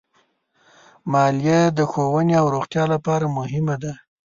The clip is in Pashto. مالیه د ښوونې او روغتیا لپاره مهمه ده.